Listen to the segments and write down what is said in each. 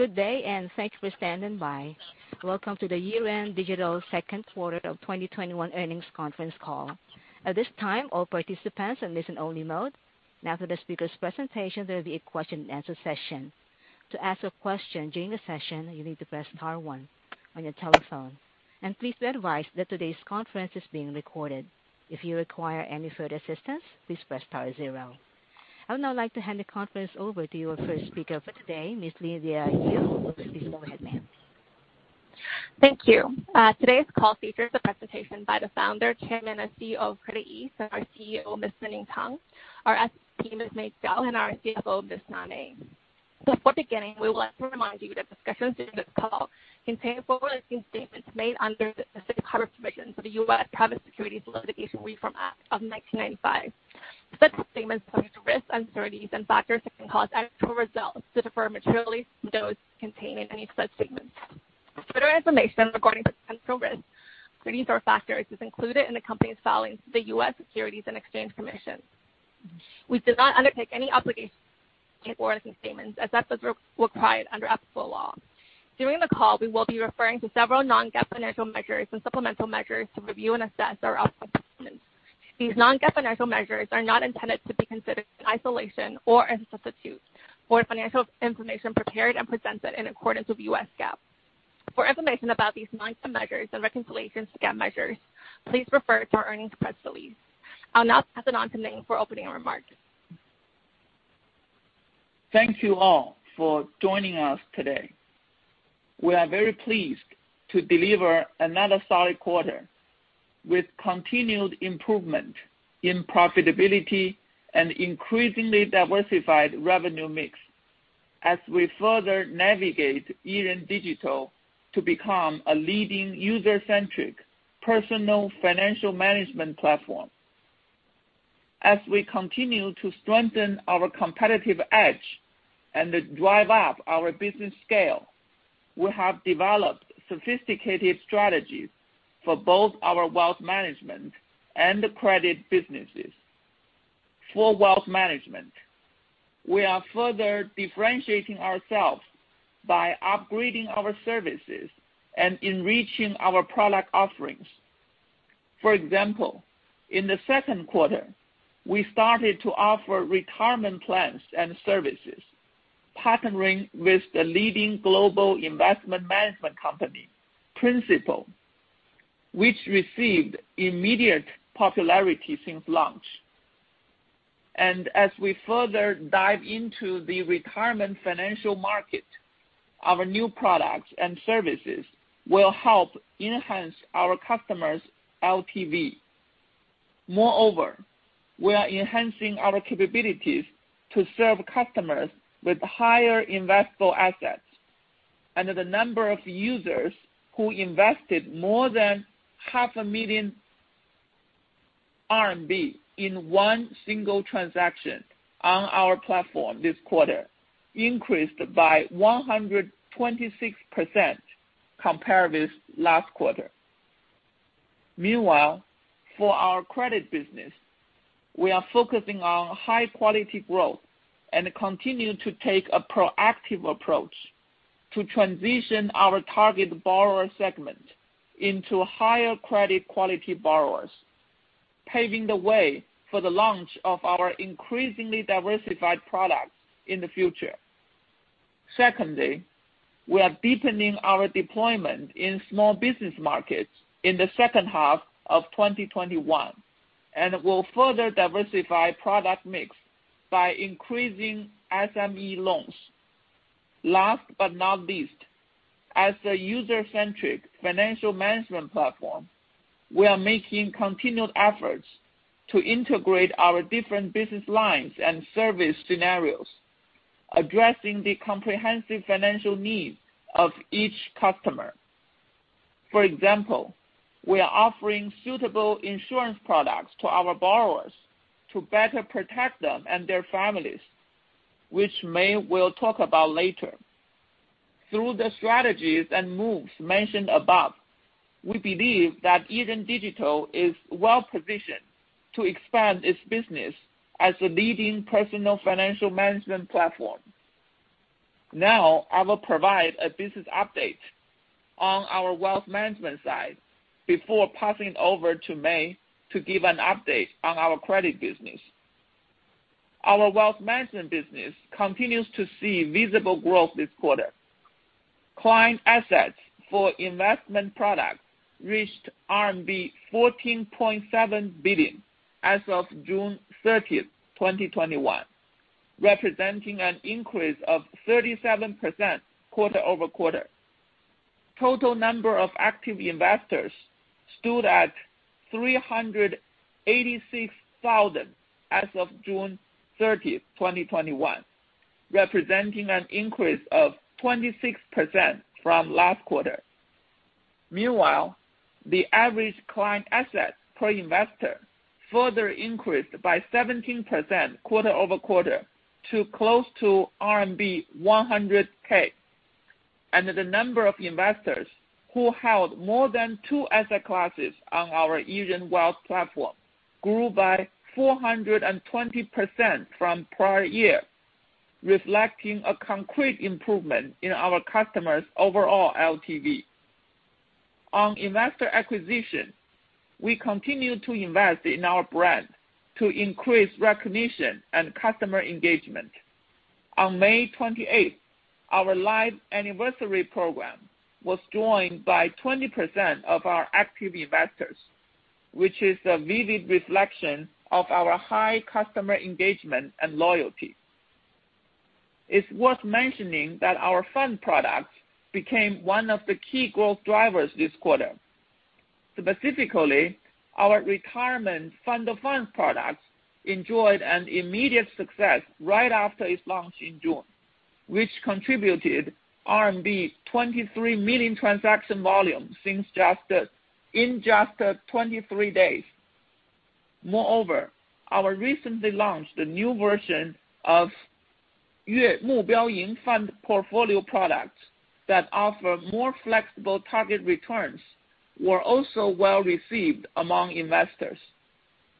Good day, and thanks for standing by. Welcome to the Yiren Digital second quarter of 2021 earnings conference call. At this time, all participants are in listen-only mode. For this presentation, there will be a question-and-answer session. To ask a question during the session, you need to press star one on your telephone. Please be advised that today's conference is being recorded. If you require any further assistance, please press zero. I would now like to hand the conference over to your first speaker for today, Ms. Lydia Yu. Please go ahead, ma'am. Thank you. Today's call features a presentation by the Founder, Chairman, and CEO of CreditEase, and our CEO, Ms. Ning Tang, our team, Mei Zhao, and our CFO, Ms. Na Mei. Before beginning, we would like to remind you that discussions during this call contain forward-looking statements made under the safe harbor provisions of the U.S. Private Securities Litigation Reform Act of 1995. Such statements come with risks, uncertainties, and factors that can cause actual results to differ materially from those contained in any such statements. Further information regarding the potential risks, uncertainties, or factors is included in the company's filings with the U.S. Securities and Exchange Commission. We do not undertake any obligation to warrant such statements, as such is required under applicable law. During the call, we will be referring to several non-GAAP financial measures and supplemental measures to review and assess our performance. These non-GAAP financial measures are not intended to be considered in isolation or as a substitute for financial information prepared and presented in accordance with US GAAP. For information about these non-GAAP measures and reconciliations to GAAP measures, please refer to our earnings press release. I'll now pass it on to Ning for opening remarks. Thank you all for joining us today. We are very pleased to deliver another solid quarter, with continued improvement in profitability and increasingly diversified revenue mix as we further navigate Yiren Digital to become a leading user-centric personal financial management platform. As we continue to strengthen our competitive edge and drive up our business scale, we have developed sophisticated strategies for both our wealth management and the credit businesses. For wealth management, we are further differentiating ourselves by upgrading our services and enriching our product offerings. For example, in the second quarter, we started to offer retirement plans and services, partnering with the leading global investment management company, Principal, which received immediate popularity since launch. As we further dive into the retirement financial market, our new products and services will help enhance our customers' LTV. Moreover, we are enhancing our capabilities to serve customers with higher investable assets, and the number of users who invested more than half a million RMB in one single transaction on our platform this quarter increased by 126% compared with last quarter. Meanwhile, for our credit business, we are focusing on high-quality growth and continue to take a proactive approach to transition our target borrower segment into higher credit quality borrowers, paving the way for the launch of our increasingly diversified products in the future. Secondly, we are deepening our deployment in small business markets in the second half of 2021, and will further diversify product mix by increasing SME loans. Last but not least, as a user-centric financial management platform, we are making continued efforts to integrate our different business lines and service scenarios, addressing the comprehensive financial needs of each customer. For example, we are offering suitable insurance products to our borrowers to better protect them and their families, which Mei Zhao will talk about later. Through the strategies and moves mentioned above, we believe that Yiren Digital is well-positioned to expand its business as a leading personal financial management platform. Now, I will provide a business update on our wealth management side before passing it over to Mei Zhao to give an update on our credit business. Our wealth management business continues to see visible growth this quarter. Client assets for investment products reached RMB 14.7 billion as of June 30, 2021, representing an increase of 37% quarter-over-quarter. Total number of active investors stood at 386,000 as of June 30, 2021, representing an increase of 26% from last quarter. Meanwhile, the average client asset per investor further increased by 17% quarter-over-quarter to close to RMB 100 thousand. The number of investors who held more than two asset classes on our Yiren Wealth platform grew by 420% from prior year, reflecting a concrete improvement in our customers' overall LTV. On investor acquisition, we continue to invest in our brand to increase recognition and customer engagement. On May 28, our live anniversary program was joined by 20% of our active investors, which is a vivid reflection of our high customer engagement and loyalty. It's worth mentioning that our fund product became one of the key growth drivers this quarter. Specifically, our retirement fund of fund products enjoyed an immediate success right after its launch in June, which contributed RMB 23 million in transaction volume in just 23 days. Our recently launched a new version of fund portfolio products that offer more flexible target returns, were also well-received among investors,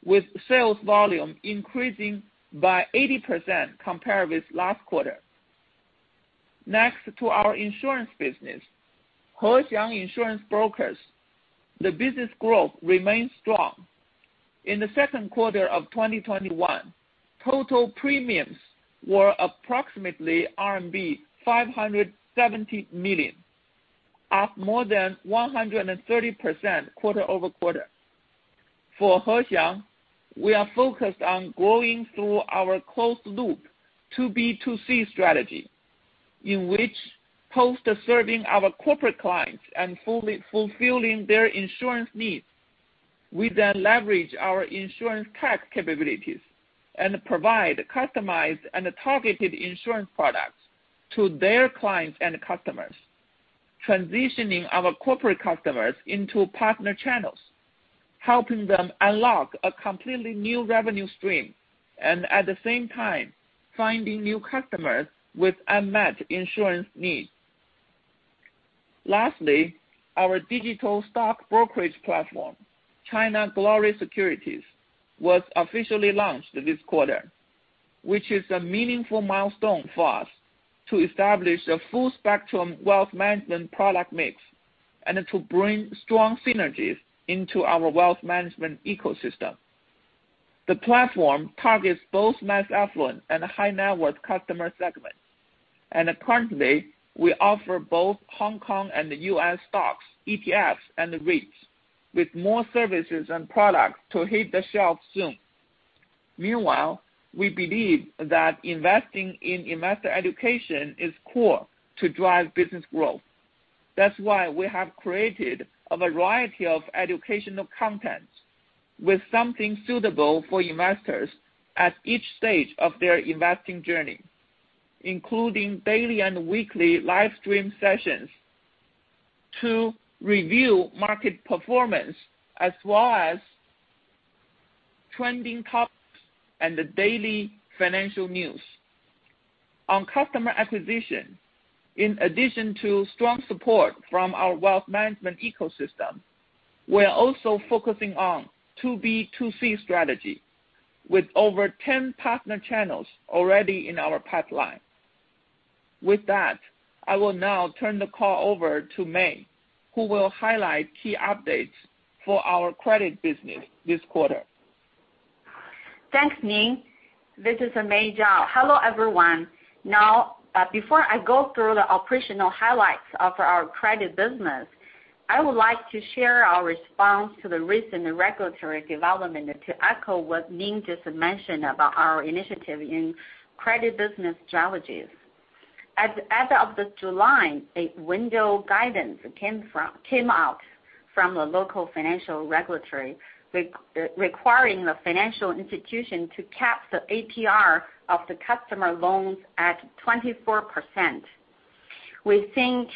with sales volume increasing by 80% compared with last quarter. To our insurance business, Hexiang Insurance Brokers. The business growth remains strong. In the second quarter of 2021, total premiums were approximately RMB 570 million, up more than 130% quarter-over-quarter. For Hexiang, we are focused on growing through our closed-loop 2B2C strategy, in which post serving our corporate clients and fulfilling their insurance needs, we then leverage our insurance tech capabilities and provide customized and targeted insurance products to their clients and customers, transitioning our corporate customers into partner channels, helping them unlock a completely new revenue stream, and at the same time finding new customers with unmet insurance needs. Lastly, our digital stock brokerage platform, China Glory Securities, was officially launched this quarter, which is a meaningful milestone for us to establish a full spectrum wealth management product mix and to bring strong synergies into our wealth management ecosystem. The platform targets both mass affluent and high-net-worth customer segments. Currently, we offer both Hong Kong and U.S. stocks, ETFs, and REITs, with more services and products to hit the shelves soon. Meanwhile, we believe that investing in investor education is core to drive business growth. That's why we have created a variety of educational content with something suitable for investors at each stage of their investing journey, including daily and weekly live stream sessions to review market performance, as well as trending topics and the daily financial news. On customer acquisition, in addition to strong support from our wealth management ecosystem, we're also focusing on 2B2C strategy with over 10 partner channels already in our pipeline. With that, I will now turn the call over to Mei, who will highlight key updates for our credit business this quarter. Thanks, Ning. This is Mei Zhao. Hello, everyone. Before I go through the operational highlights of our credit business, I would like to share our response to the recent regulatory development and to echo what Ning just mentioned about our initiative in credit business strategies. As of July, a window guidance came out from a local financial regulatory requiring the financial institution to cap the APR of the customer loans at 24%. We think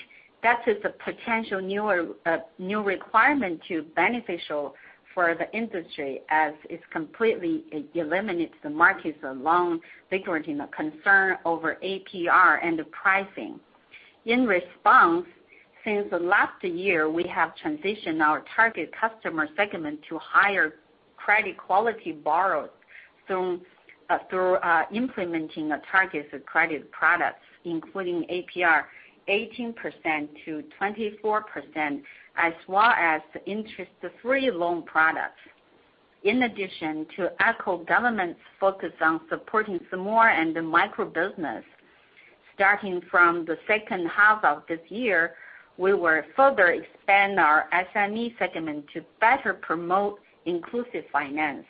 that is a potential new requirement to beneficial for the industry as it completely eliminates the market's long-lingering concern over APR and pricing. In response, since last year, we have transitioned our target customer segment to higher credit quality borrowers through implementing targeted credit products, including APR 18%-24%, as well as interest-free loan products. In addition to echo government's focus on supporting small and micro business, starting from the second half of this year, we will further expand our SME segment to better promote inclusive finance.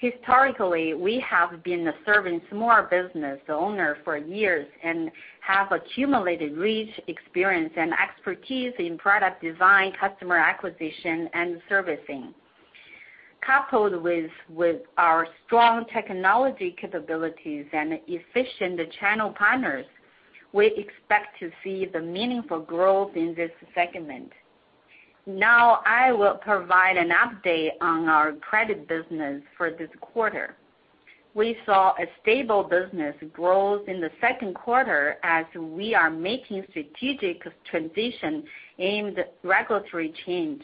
Historically, we have been serving small business owners for years and have accumulated rich experience and expertise in product design, customer acquisition, and servicing. Coupled with our strong technology capabilities and efficient channel partners, we expect to see the meaningful growth in this segment. Now I will provide an update on our credit business for this quarter. We saw a stable business growth in the second quarter as we are making a strategic transition aimed at regulatory change.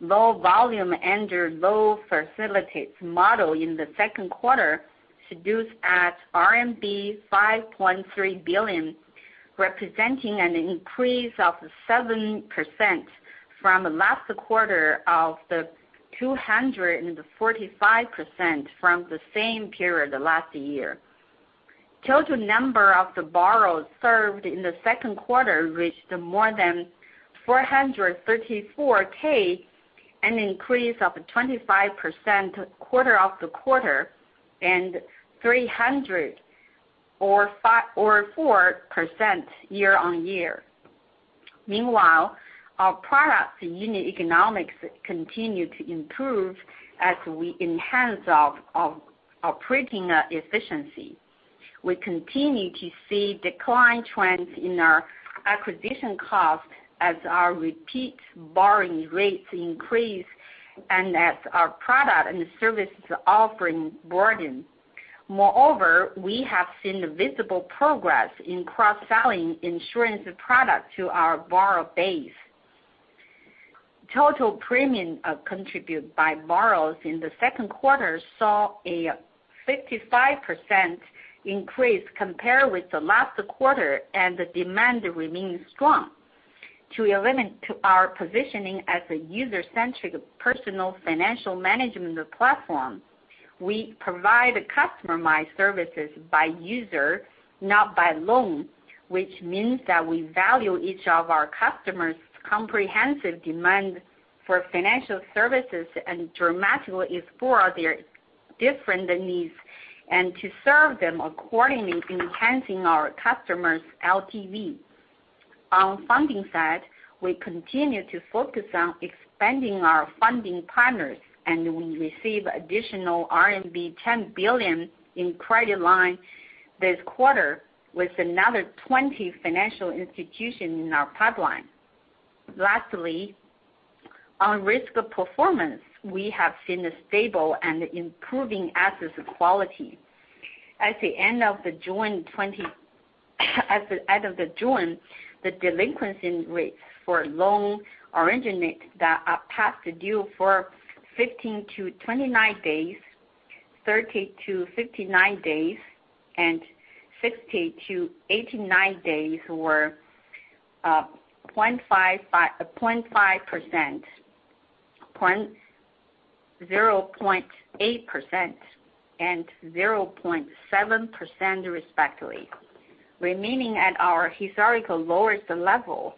Loan volume under loan facilitation model in the second quarter stood at RMB 5.3 billion, representing an increase of 7% from last quarter of the 245% from the same period last year. Total number of the borrowers served in the second quarter reached more than 434K, an increase of 25% quarter-over-quarter, and 304% year-on-year. Meanwhile, our product unit economics continue to improve as we enhance our operating efficiency. We continue to see decline trends in our acquisition cost as our repeat borrowing rates increase and as our product and services offering broaden. We have seen visible progress in cross-selling insurance products to our borrower base. Total premium contributed by borrowers in the second quarter saw a 55% increase compared with the last quarter, and the demand remains strong. To our positioning as a user-centric personal financial management platform, we provide customized services by user, not by loan, which means that we value each of our customers' comprehensive demand for financial services and dramatically explore their different needs and to serve them accordingly, enhancing our customers' LTV. We receive additional RMB 10 billion in credit line this quarter, with another 20 financial institutions in our pipeline. Lastly, on risk performance, we have seen a stable and improving asset quality. At the end of June, the delinquency rates for loan originated that are past due for 15 to 29 days, 30 to 59 days, and 60 to 89 days were 0.5%, 0.8%, and 0.7%, respectively. Remaining at our historical lowest level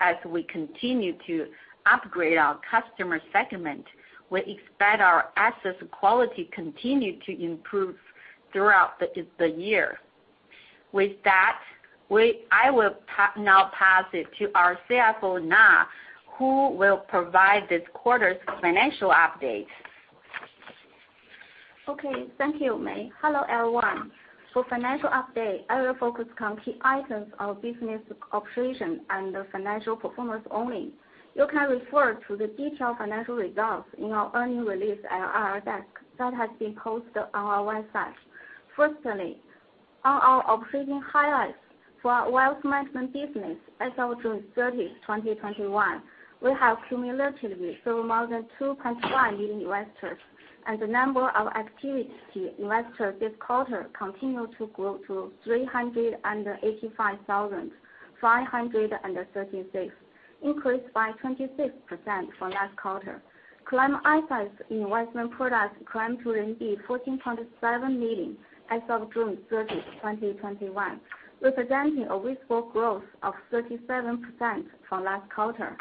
as we continue to upgrade our customer segment, we expect our asset quality continue to improve throughout the year. With that, I will now pass it to our CFO, Na, who will provide this quarter's financial update. Okay. Thank you, Mei. Hello, everyone. For financial update, I will focus on key items of business operation and the financial performance only. You can refer to the detailed financial results in our earnings release and IR deck, that has been posted on our website. Firstly, on our operating highlights for our wealth management business as of June 30, 2021, we have cumulatively served more than 2.5 million investors, and the number of active investors this quarter continued to grow to 385,536, increased by 26% from last quarter. Client Assets investment products climbed to 14.7 million as of June 30, 2021, representing a visible growth of 37% from last quarter.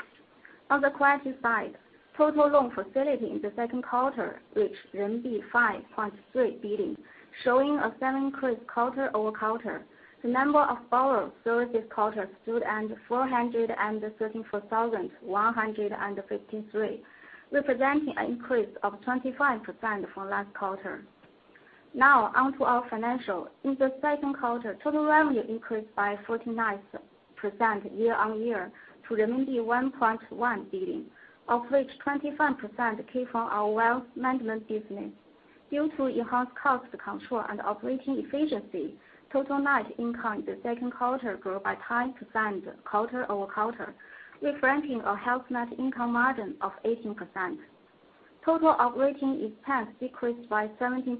On the credit side, total loan facilitation in the second quarter reached RMB 5.3 billion, showing a 7% increase quarter-over-quarter. The number of borrowers served this quarter stood at 434,153, representing an increase of 25% from last quarter. Now, onto our financials. In the second quarter, total revenue increased by 49% year-on-year to renminbi 1.1 billion, of which 25% came from our wealth management business. Due to enhanced cost control and operating efficiency, total net income in the second quarter grew by 10% quarter-over-quarter, representing a healthy net income margin of 18%. Total operating expense decreased by 17%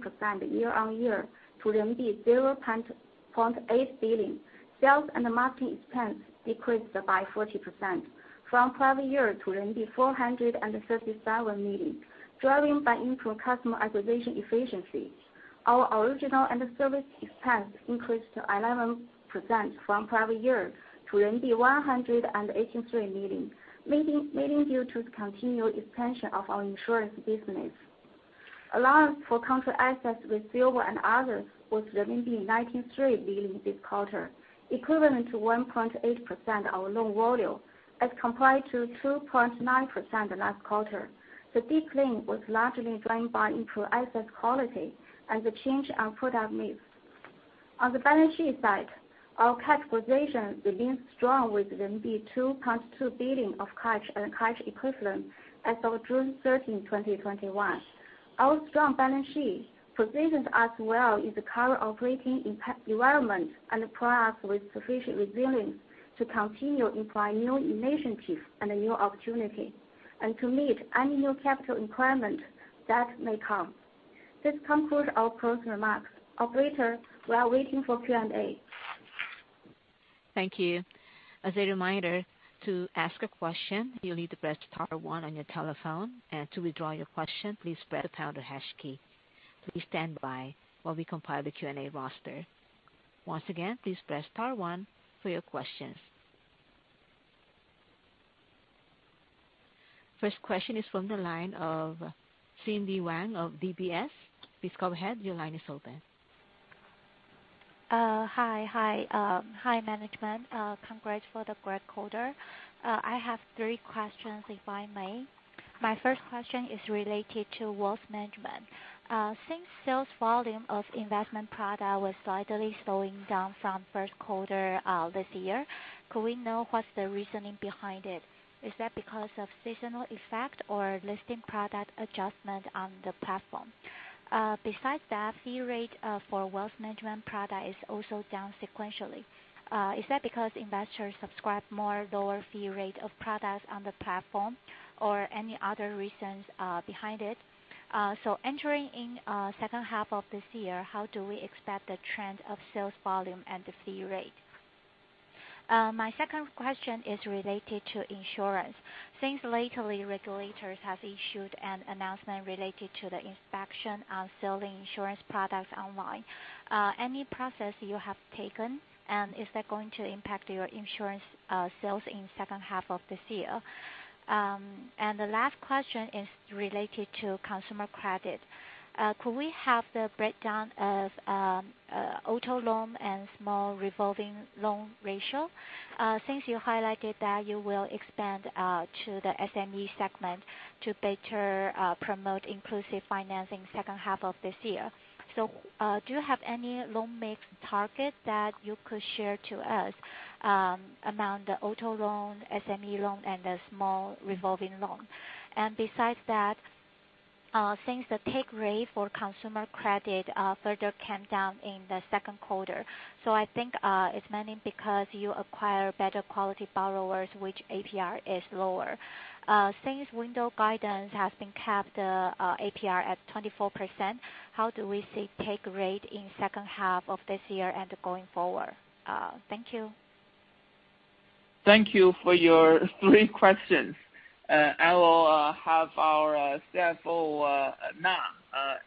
year-on-year to RMB 0.8 billion. Sales and marketing expense decreased by 40% from prior year to 437 million, driven by improved customer acquisition efficiency. Our operational and service expense increased 11% from prior year to 183 million, mainly due to the continued expansion of our insurance business. Allowance for contract assets, receivables and others was 93 million this quarter, equivalent to 1.8% of our loan volume, as compared to 2.9% last quarter. The decline was largely driven by improved asset quality and the change in product mix. On the balance sheet side, our cash position remains strong with 2.2 billion of cash and cash equivalents as of June 30, 2021. Our strong balance sheet positions us well in the current operating environment and provides us with sufficient resilience to continue employing new initiatives and new opportunities, and to meet any new capital requirements that may come. This concludes our prepared remarks. Operator, we are waiting for Q&A. Thank you. As a reminder, to ask a question, you'll need to press star one on your telephone, and to withdraw your question, please press the pound or hash key. Please stand by while we compile the Q&A roster. Once again, please press star one for your questions. First question is from the line of Cindy Wang of DBS. Please go ahead. Your line is open. Hi. Hi management. Congrats for the great quarter. I have three questions, if I may. My first question is related to wealth management. Since sales volume of investment product was slightly slowing down from first quarter this year, could we know what's the reasoning behind it? Is that because of seasonal effect or listing product adjustment on the platform? Besides that, fee rate for wealth management products is also down sequentially. Is that because investors subscribe more lower fee rate of products on the platform, or any other reasons behind it? Entering in second half of this year, how do we expect the trend of sales volume and the fee rate? My second question is related to insurance. Lately, regulators have issued an announcement related to the inspection on selling insurance products online, any process you have taken, and is that going to impact your insurance sales in second half of this year? The last question is related to consumer credit. Could we have the breakdown of auto loan and small revolving loan ratio? You highlighted that you will expand to the SME segment to better promote inclusive financing second half of this year. Do you have any loan mix target that you could share to us around the auto loan, SME loan, and the small revolving loan? Besides that, the take rate for consumer credit further came down in the second quarter. I think it's mainly because you acquire better quality borrowers, which APR is lower. Since Window guidance has been capped, APR at 24%, how do we see take rate in second half of this year and going forward? Thank you. Thank you for your three questions. I will have our CFO, Na,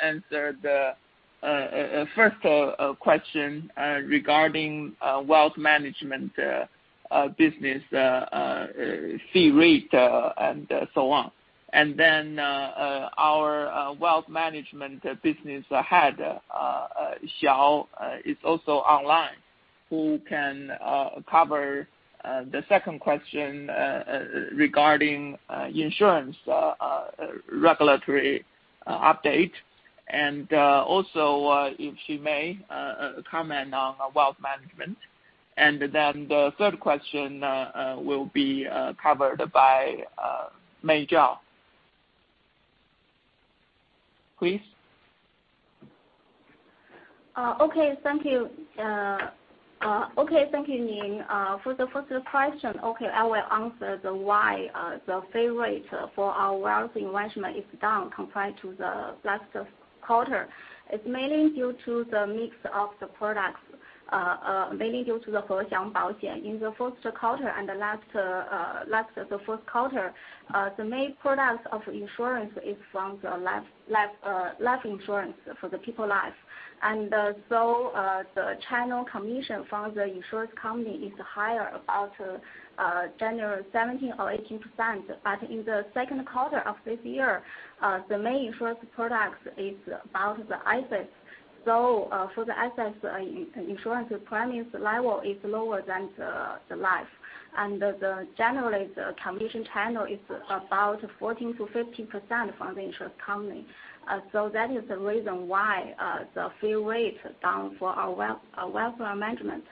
answer the first question regarding wealth management business fee rate and so on. Our Wealth Management Business Head, Xiao, is also online, who can cover the second question regarding insurance regulatory update. Also, if she may, comment on wealth management. The third question will be covered by Mei Zhao. Please. Okay. Thank you. Okay, thank you, Ning. For the first question, okay, I will answer the why the fee rate for our wealth management is down compared to the last quarter. It's mainly due to the mix of the products, mainly due to the Hexiang Baoxian. In the first quarter and the last of the fourth quarter, the main product of insurance is from life insurance for the people life. The channel commission from the insurance company is higher, about generally 17% or 18%. In the second quarter of this year, the main insurance product is about the assets. For the assets, insurance premiums level is lower than the life. Generally, the commission channel is about 14%-15% from the insurance company. That is the reason why the fee rate down for our wealth management.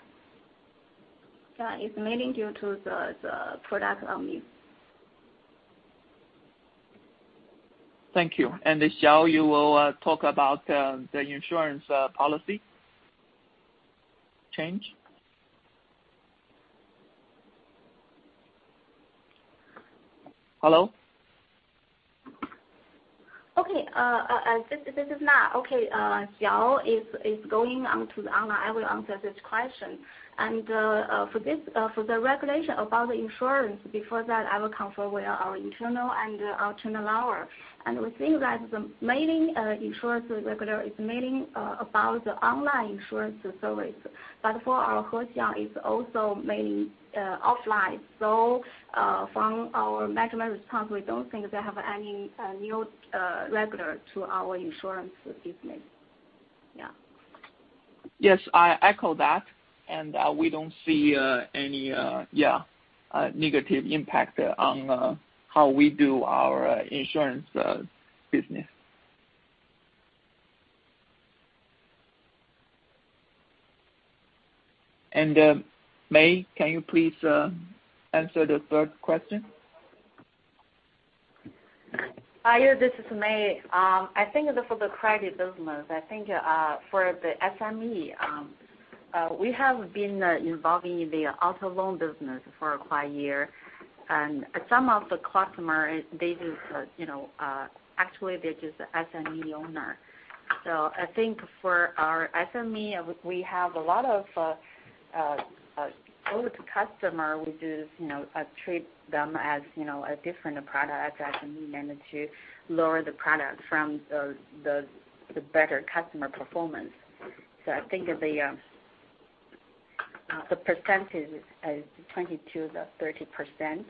Yeah, it's mainly due to the product mix. Thank you. Xiao, you will talk about the insurance policy change. Hello? Okay. This is Na. Okay. Xiao is going online. I will answer this question. For the regulation about the insurance, before that, I will confirm with our internal and our channel lawyer. We think that the main insurance regulator is mainly about the online insurance service. For our Hexiang, it is also mainly offline. From our management response, we do not think they have any new regulator to our insurance business. Yeah. Yes, I echo that. We don't see any negative impact on how we do our insurance business. Mei, can you please answer the third question? Hi, this is Mei. I think for the credit business, for the SME, we have been involved in the auto loan business for quite a year. Some of the customers, actually, they just SME owners. I think for our SME, we have a lot of older customers. We treat them as a different product as we manage to lower the product from the better customer performance. I think the percentage is 22%-30%.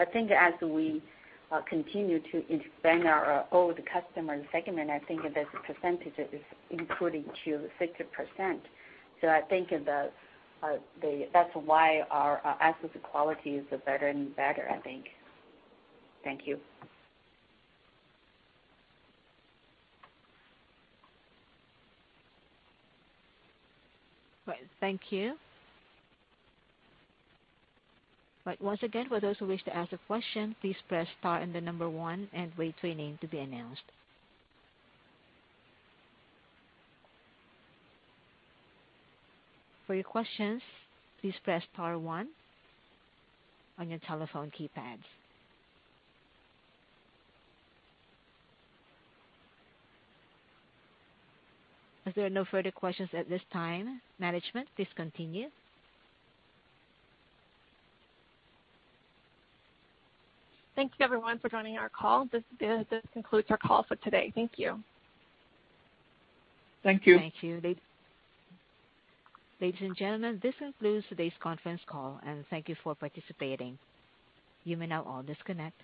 I think as we continue to expand our old customer segment, I think that the percentage is increasing to 60%. I think that's why our asset quality is better and better, I think. Thank you. Thank you. Once again, for those who wish to ask a question, please press star and the number one and wait for your name to be announced. For your questions, please press star one on your telephone keypads. As there are no further questions at this time, management, please continue. Thank you, everyone, for joining our call. This concludes our call for today. Thank you. Thank you. Thank you. Ladies and gentlemen, this concludes today's conference call, and thank you for participating. You may now all disconnect.